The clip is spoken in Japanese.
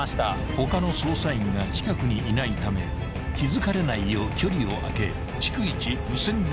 ［他の捜査員が近くにいないため気付かれないよう距離を空け逐一無線で状況を送る］